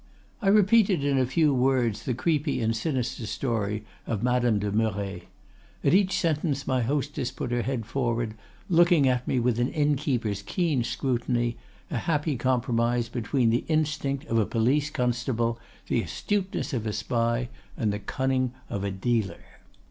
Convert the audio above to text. "I repeated in a few words the creepy and sinister story of Madame de Merret. At each sentence my hostess put her head forward, looking at me with an innkeeper's keen scrutiny, a happy compromise between the instinct of a police constable, the astuteness of a spy, and the cunning of a dealer.